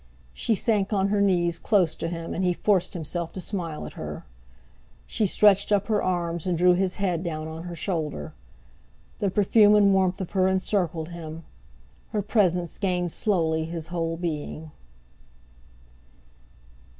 She sank on her knees close to him, and he forced himself to smile at her. She stretched up her arms and drew his head down on her shoulder. The perfume and warmth of her encircled him; her presence gained slowly his whole being.